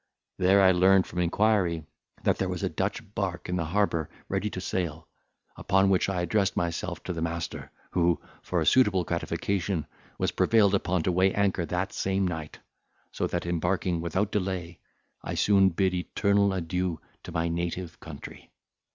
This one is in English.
There I learned from inquiry, that there was a Dutch bark in the harbour ready to sail; upon which I addressed myself to the master, who, for a suitable gratification, was prevailed upon to weigh anchor that same night; so that, embarking without delay, I soon bid eternal adieu to my native country.